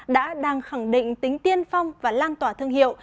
đã đang khẳng định tính tiên phong và lan tỏa thương hiệu